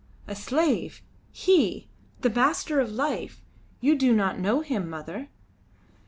"A slave! He! The master of life! You do not know him, mother."